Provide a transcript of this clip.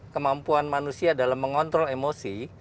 kemampuan manusia dalam mengontrol emosi